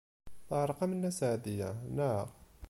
Teɛreq-am Nna Seɛdiya, naɣ?